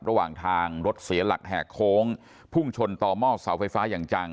ระหว่างทางรถเสียหลักแหกโค้งพุ่งชนต่อหม้อเสาไฟฟ้าอย่างจัง